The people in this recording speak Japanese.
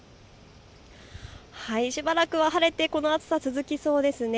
しばらくは晴れてこの暑さ、続きそうですね。